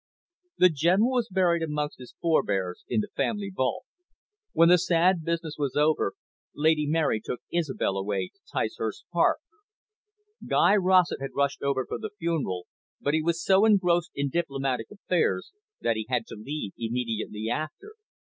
The General was buried amongst his forbears in the family vault. When the sad business was over, Lady Mary took Isobel away to Ticehurst Park. Guy Rossett had rushed over for the funeral, but he was so engrossed in diplomatic affairs that he had to leave immediately after.